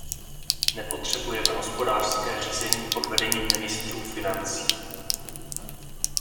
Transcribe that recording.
Nepotřebujeme hospodářské řízení pod vedením ministrů financí.